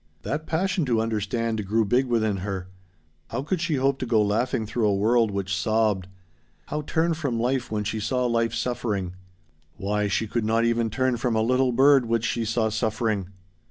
That passion to understand grew big within her. How could she hope to go laughing through a world which sobbed? How turn from life when she saw life suffering? Why she could not even turn from a little bird which she saw suffering!